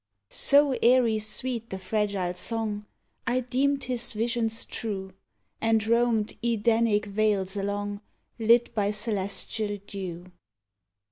So airy sweet the fragile song, I deemed his visions true, And roamed Edenic vales along, Lit by celestial dew.